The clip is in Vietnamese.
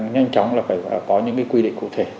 nhanh chóng là phải có những quy định cụ thể